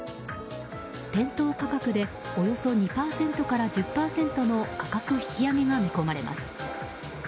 店頭価格でおよそ２％から１０％の価格引き上げが見込まれます。